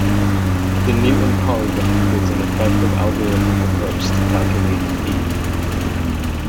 The Newton polygon gives an effective, algorithmic approach to calculating "d".